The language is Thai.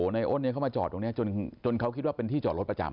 ในอ้นเข้ามาจอดตรงนี้จนเขาคิดว่าเป็นที่จอดรถประจำ